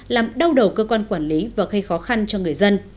làm đau đầu cơ quan quản lý và gây khó khăn cho người dân